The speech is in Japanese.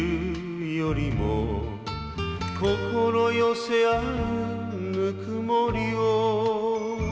「心寄せ合うぬくもりを」